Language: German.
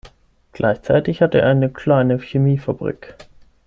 Gleichzeitig hatte er eine kleine Chemiefabrik.